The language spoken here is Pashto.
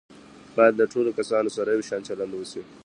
باید له ټولو کسانو سره یو شان چلند وشي.